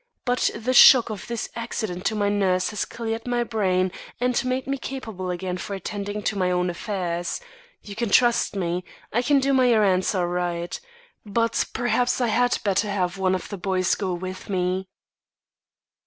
But the shock of this accident to my nurse has cleared my brain and made me capable again of attending to my own affairs. You can trust me; I can do my errands all right; but perhaps I had better have one of the boys go with me."